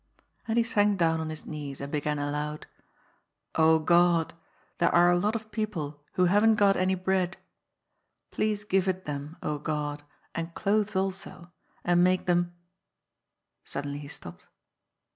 And he sank down on his knees and began aloud :'^ Ood, there are a lot of people who haven't got any bread. Please give it them, Ood, and clothes also, and make them " suddenly he stopped.